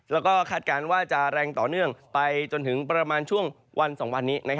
แล้วก็คาดการณ์ว่าจะแรงต่อเนื่องไปจนถึงประมาณช่วงวัน๒วันนี้